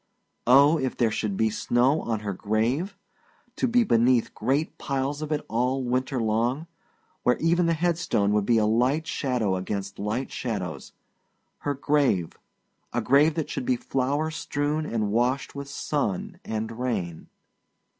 Oh, if there should be snow on her grave! To be beneath great piles of it all winter long, where even her headstone would be a light shadow against light shadows. Her grave a grave that should be flower strewn and washed with sun and rain.